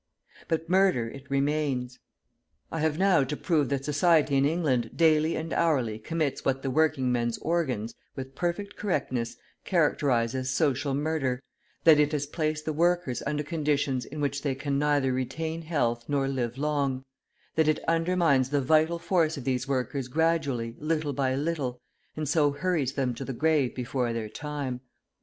But murder it remains. I have now to prove that society in England daily and hourly commits what the working men's organs, with perfect correctness, characterise as social murder, that it has placed the workers under conditions in which they can neither retain health nor live long; that it undermines the vital force of these workers gradually, little by little, and so hurries them to the grave before their time.